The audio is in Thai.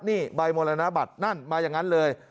นี่ใบมัวเรียนรับบัตรนั่นมาอย่างงั้นเลย